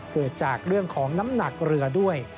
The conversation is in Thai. เกิดจากเรื่องของน้ำหนักเรือด้วย